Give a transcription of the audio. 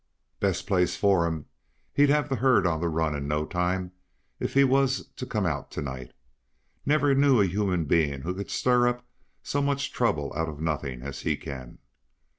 "Best place for him. He'd have the herd on the run in no time if he was to come out to night. Never knew a human being who could stir up so much trouble out of nothing as he can.